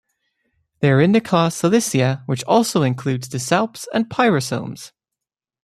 They are in the class Thaliacea, which also includes the salps and pyrosomes.